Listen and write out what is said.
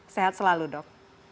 sehat selalu dok